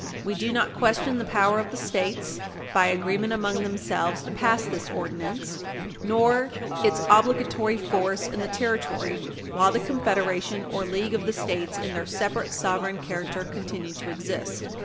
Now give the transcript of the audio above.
We do not question the power of the States, by agreement among themselves, to pass this ordinance, nor its obligatory force in the territory while the confederation or league of the States in their separate sovereign character continued to exist.